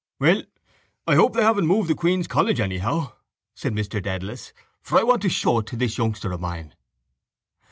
—Well, I hope they haven't moved the Queen's College anyhow, said Mr Dedalus, for I want to show it to this youngster of mine.